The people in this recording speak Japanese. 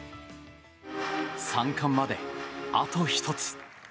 ３冠まであと１つ。